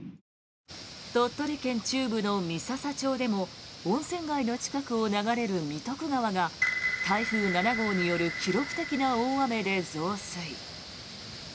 鳥取県中部の三朝町でも温泉街の近くを流れる三徳川が台風７号による記録的な大雨で増水。